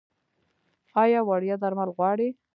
ایا وړیا درمل غواړئ؟